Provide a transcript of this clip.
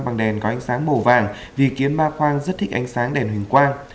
bằng đèn có ánh sáng màu vàng vì kiến ma khoang rất thích ánh sáng đèn huỳnh quang